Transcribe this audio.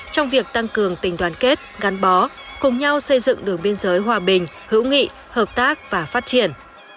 trong việc tăng cường tình đoàn kết gắn bó cùng nhau xây dựng đường biên giới hòa bình hữu nghị hợp tác và phát triển